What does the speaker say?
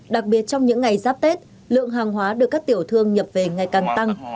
đặc biệt trong những ngày giáp tết lượng hàng hóa được các tiểu thương nhập về ngày càng tăng